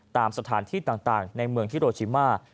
ตามสถานที่ต่างในเมืองฮิโรชิมา